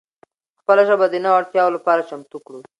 خپله ژبه د نوو اړتیاو لپاره چمتو کړو.